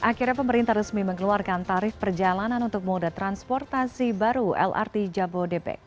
akhirnya pemerintah resmi mengeluarkan tarif perjalanan untuk moda transportasi baru lrt jabodebek